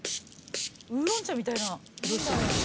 ウーロン茶みたいな色してる。